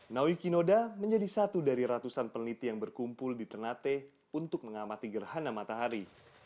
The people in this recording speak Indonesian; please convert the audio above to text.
nawi kinoda menjadi satu dari ratusan peneliti yang berkumpul di ternate untuk mengamati gerhana matahari